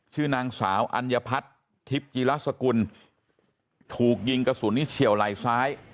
ชื่อนางสาวอัญพัทธิบกิลักษกุลถูกยิงกระสุนนี้เฉี่ยวไหล้ซ้าย